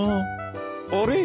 あれ？